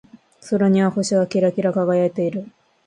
空には星がキラキラ輝いている。